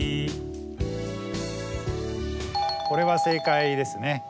これは正解ですね。